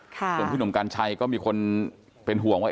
ส่วนพี่หนุ่มกัญชัยก็มีคนเป็นห่วงว่า